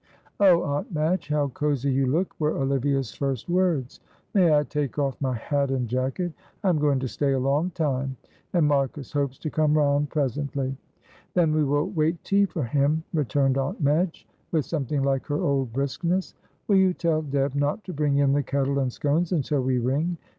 "Oh, Aunt Madge, how cosy you look," were Olivia's first words. "May I take off my hat and jacket? I am going to stay a long time, and Marcus hopes to come round presently." "Then we will wait tea for him," returned Aunt Madge, with something like her old briskness. "Will you tell Deb not to bring in the kettle and scones until we ring?